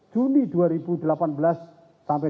juni dua ribu delapan belas sampai